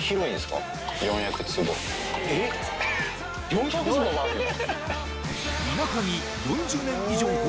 ４００坪もあんの？